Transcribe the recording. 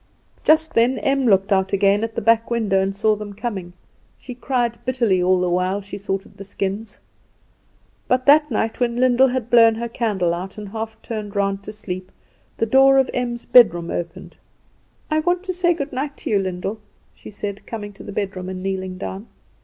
Just then Em looked out again at the back window and saw them coming. She cried bitterly all the while she sorted the skins. But that night when Lyndall had blown her candle out, and half turned round to sleep, the door of Em's bedroom opened. "I want to say good night to you, Lyndall," she said, coming to the bedside and kneeling down.